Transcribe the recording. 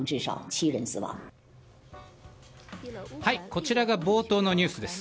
こちらが冒頭のニュースです。